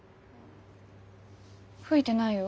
吹いてないよ。